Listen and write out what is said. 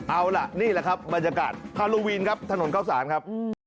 เอาล่ะนี่แหละครับบรรยากาศฮาโลวีนครับถนนเข้าสารครับ